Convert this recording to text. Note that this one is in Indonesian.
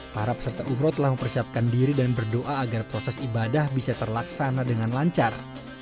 para peserta umroh telah mempersiapkan diri dan berdoa agar proses ibadah bisa terlaksana dengan lancar